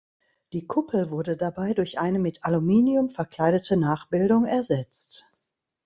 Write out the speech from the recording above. Die Kuppel wurde dabei durch eine mit Aluminium verkleidete Nachbildung ersetzt.